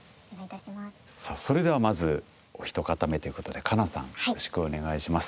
さあそれではまずお一方目ということでカナさんよろしくお願いします。